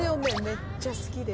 めっちゃ好きで。